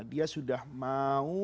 dia sudah mau